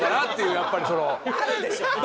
やっぱりその。